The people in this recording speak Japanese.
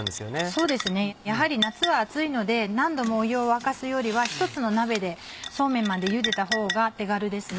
そうですねやはり夏は暑いので何度も湯を沸かすよりは１つの鍋でそうめんまで茹でたほうが手軽です。